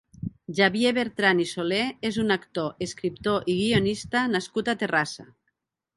Xavier Bertran i Solé és un actor, escriptor i guionista nascut a Terrassa.